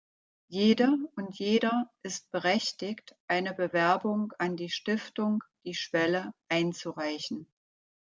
Jede und jeder ist berechtigt eine Bewerbung an die Stiftung "die schwelle" einzureichen.